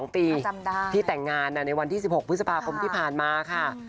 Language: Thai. ๒ปีที่แต่งงานในวันที่๑๖พฤษภาคมที่ผ่านมาค่ะ